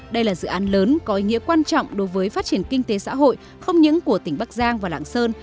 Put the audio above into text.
đây là dự án lớn có ý nghĩa quan trọng đối với phát triển kinh tế xã hội không những của tỉnh bắc giang và lạng sơn